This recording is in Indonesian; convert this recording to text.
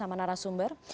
malam ini bersama narasumber